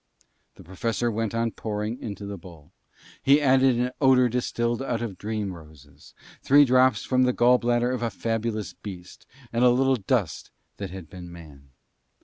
The Professor went on pouring into the bowl. He added an odour distilled out of dream roses, three drops from the gall bladder of a fabulous beast, and a little dust that had been man.